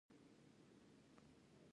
وې ئې چې زمرے نۀ د هاتي غوندې غټ وي ،